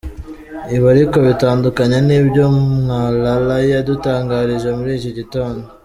Ibi ariko bitandukanye n’ibyo Mwalala yadutangarije muri iki gitondo.